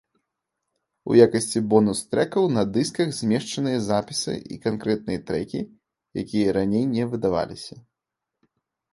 У якасці бонус-трэкаў на дысках змешчаныя запісы і канкрэтныя трэкі, якія раней не выдаваліся.